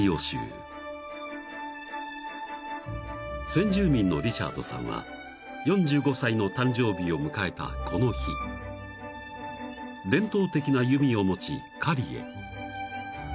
［先住民のリチャードさんは４５歳の誕生日を迎えたこの日伝統的な弓を持ち狩りへ］